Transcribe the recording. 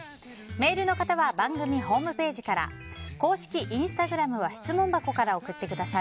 メールの方は番組ホームページから公式インスタグラムは質問箱から送ってください。